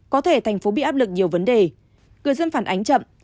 có thể thành phố bị áp lực nhiều vấn đề người dân phản ánh chậm